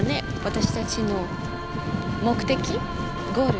私たちの目的ゴール。